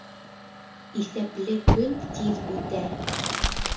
Иҫәпле көн тиҙ үтә.